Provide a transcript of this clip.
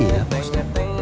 iya pak ustadz